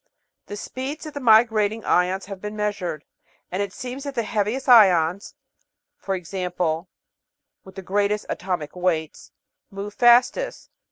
The speeds of the migrating ions have been measured, and it seems that the heaviest ions ( i.e., with the greatest "atomic" weights) move fastest.